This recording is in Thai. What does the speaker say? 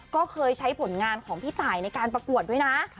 ก็เคยใช้ผลงานของพี่ตายในการประกวดด้วยนะ